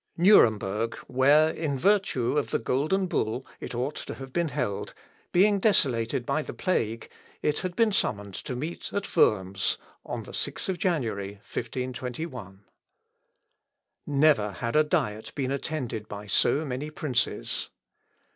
Nuremberg, where, in virtue of the Golden Bull, it ought to have been held, being desolated by the plague, it had been summoned to meet at Worms, on the 6th of January, 1521. Never had a Diet been attended by so many princes.